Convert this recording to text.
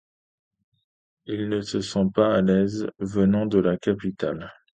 Il ne se sent pas à l'aise, venant de la capitale.